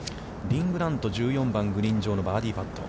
リン・グラント、１４番のグリーン上のバーディーパット。